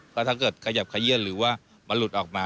เพราะถ้าเกิดขยับขยื่นหรือว่ามันหลุดออกมา